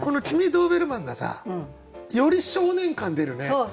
「君ドーベルマン」がさより少年感出るね。